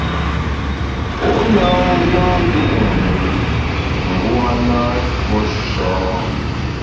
U na nyùen yu’ mùn mbu (w) a na ntuo sha.